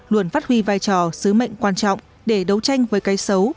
luôn phát huy vai trò sứ mệnh quan trọng để đấu tranh với cái xấu